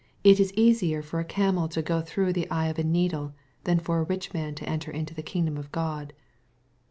It is easier for a camel to go througn the eye of a needle, than for a rlon man to enter into the kingdom of God.